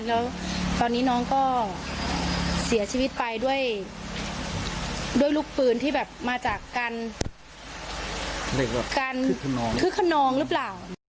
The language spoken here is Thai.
แล้วตอนนี้น้องก็เสียชีวิตไปด้วยลูกปืนที่แบบมาจากการคึกขนองหรือเปล่า